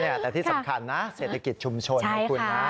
แต่ที่สำคัญนะเศรษฐกิจชุมชนไงคุณนะ